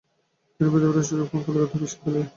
তিনি বেদপাঠের সুযোগ পান কলিকাতা বিশ্ববিদ্যালয়ে।